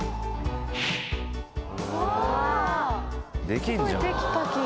できんじゃん。